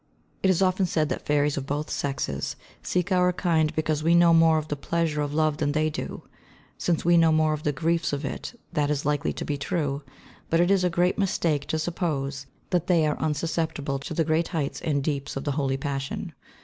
It is often said that fairies of both sexes seek our kind because we know more of the pleasure of love than they do. Since we know more of the griefs of it that is likely to be true; but it is a great mistake to suppose that they are unsusceptible to the great heights and deeps of the holy passion.